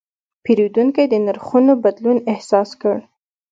پیرودونکی د نرخونو بدلون احساس کړ.